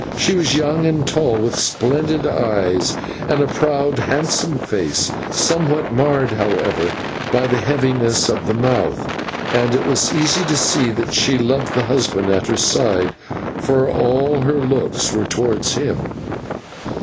She was young and tall, with splendid eyes and a proud, handsome face, somewhat marred, however, by the heaviness of the mouth, and it was easy to see that she loved the husband at her side, for all her looks were towards him.